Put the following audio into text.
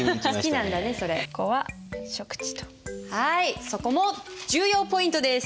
はいそこも重要ポイントです！